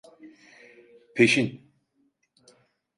Peşin…